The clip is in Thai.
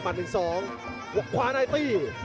บันทึก๒หัวขวาในตี